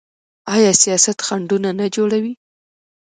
آیا سیاست خنډونه نه جوړوي؟